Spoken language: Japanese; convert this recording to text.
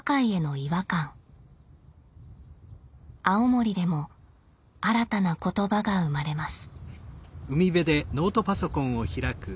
青森でも新たな言葉が生まれます。